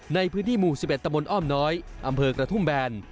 ในพื้นที่หมู่๑๑ตะบนอ้อมน้อยอำเภอกระทุ่มแบน